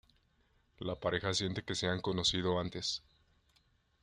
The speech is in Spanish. La pareja siente que se han conocido antes.